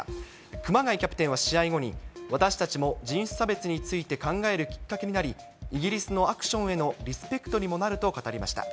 熊谷キャプテンは試合後に、私たちも人種差別について考えるきっかけになり、イギリスのアクションへのリスペクトにもなると語りました。